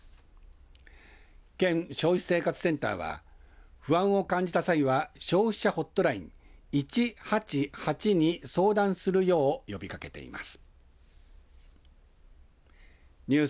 県消費生活センターは不安を感じた際は消費者ホットライン１８８に相談するよう呼びかけています。